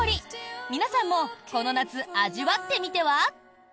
皆さんもこの夏、味わってみては？